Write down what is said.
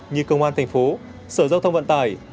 như công an thành phố sở giao thông vận tải